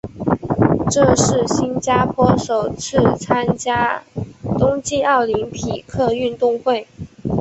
这是新加坡首次参加冬季奥林匹克运动会。